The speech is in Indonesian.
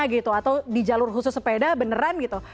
atau di jalur khusus sepeda beneran gitu